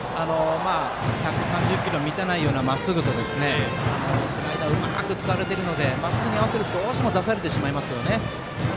１３０キロ満たないようなまっすぐとスライダーをうまく使われているのでまっすぐにあわせるとどうしても出されてしまいますね。